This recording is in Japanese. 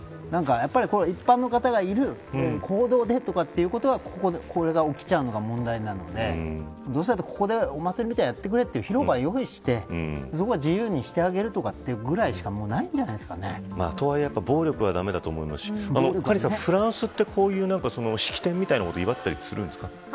一般の方がいる公道で、とかということはこれが起きちゃうのが問題なのでどうせだったら、ここでお祭りみたいにやってくれという広場を用意してそこは自由にしてあげるとかというぐらいしかとはいえ暴力は駄目だと思いますしカリンさん、フランスってこういう式典みたいなことで祝ったりするんですか。